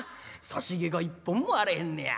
差し毛が一本もあれへんねや。